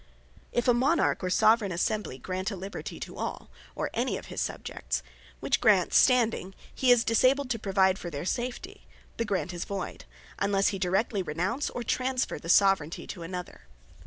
If a Monarch, or Soveraign Assembly, grant a Liberty to all, or any of his Subjects; which Grant standing, he is disabled to provide for their safety, the Grant is voyd; unlesse he directly renounce, or transferre the Soveraignty to another.